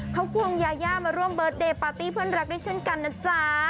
เขาควงยายามาร่วมเบิร์ตเดย์ปาร์ตี้เพื่อนรักด้วยเช่นกันนะจ๊ะ